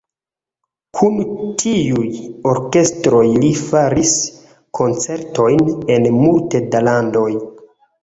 Kun tiuj orkestroj li faris koncertojn en multe da landoj.